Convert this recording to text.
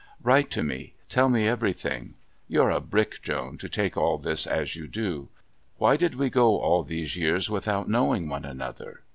Write to me. Tell me everything. You're a brick, Joan, to take all this as you do. Why did we go all these years without knowing one another?